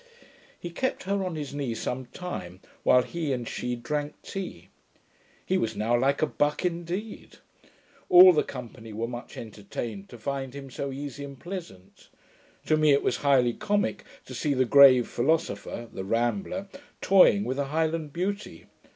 He kept her on his knee some time, while he and she drank tea. He was now like a BUCK indeed. All the company were much entertained to find him so easy and pleasant. To me it was highly comick, to see the grave philosopher the Rambler toying with a Highland beauty!